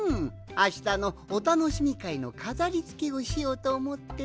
あしたのおたのしみかいのかざりつけをしようとおもってのう。